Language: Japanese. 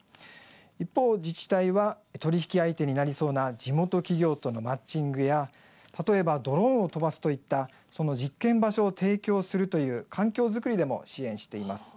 一方、自治体は取引相手になりそうな地元企業とのマッチングや例えばドローンを飛ばすといったその実験場所を提供するという環境作りでも支援しています。